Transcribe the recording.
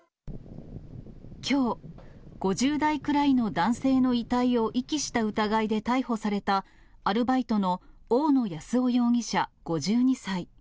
きょう、５０代くらいの男性の遺体を遺棄した疑いで逮捕された、アルバイトの大野安男容疑者５２歳。